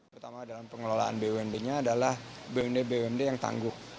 pertama dalam pengelolaan bumd nya adalah bumd bumd yang tangguh